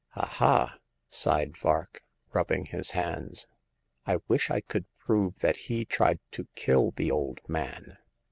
Aha !" sighed Vark, rubbing his hands, I wish I could prove that he tried to kill the old man.